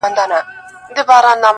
د يوې پېښې سيوری لري تل-